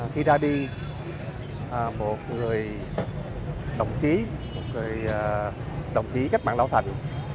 khi ra đi một người đồng chí một người đồng chí cách mạng lão thành